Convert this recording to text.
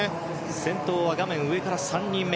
先頭は画面上から３人目